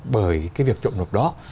bởi cái việc chậm nộp đó